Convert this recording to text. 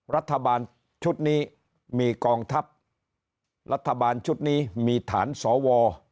รัฐบาลชุดนี้มีกองทัพรัฐบาลชุดนี้มีฐานสว